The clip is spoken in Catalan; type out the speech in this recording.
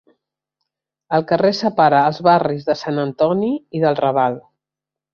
El carrer separa els barris de Sant Antoni i del Raval.